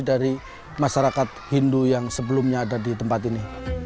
dari masyarakat hindu yang sebelumnya ada di tempat ini